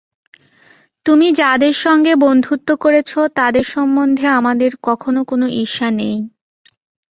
তুমি যাদের সঙ্গে বন্ধুত্ব করেছ, তাদের সম্বন্ধে আমার কখনও কোন ঈর্ষা নেই।